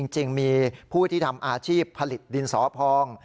จริงมีผู้ที่ทำอาชีพผลิตดินสอพอง